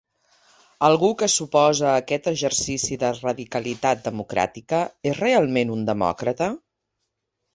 Algú que s’oposa a aquest exercici de radicalitat democràtica és realment un demòcrata?